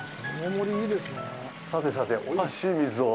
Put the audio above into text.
さてさて、おいしい水を。